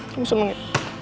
kamu seneng ya